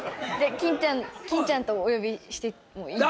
欽ちゃんとお呼びしてもいいですか？